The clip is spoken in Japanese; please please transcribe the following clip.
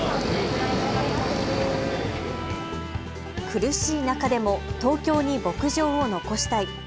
苦しい中でも東京に牧場を残したい。